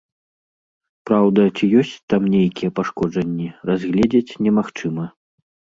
Праўда, ці ёсць там нейкія пашкоджанні, разгледзець немагчыма.